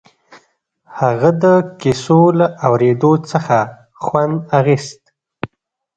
هغه د کيسو له اورېدو څخه خوند اخيست.